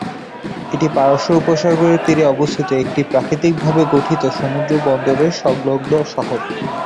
এটি পারস্য উপসাগরের তীরে অবস্থিত একটি প্রাকৃতিকভাবে গঠিত সমুদ্র বন্দর সংলগ্ন শহর।